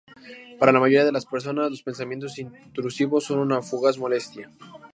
Para la mayoría de las personas, los pensamientos intrusivos son una "fugaz molestia".